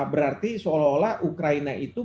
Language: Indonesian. berarti seolah olah ukraina itu